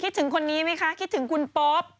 คิดถึงคนนี้มั้ยคะคิดถึงคุณโป๊บ